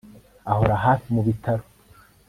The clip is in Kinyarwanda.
Ahora hafi mubitaro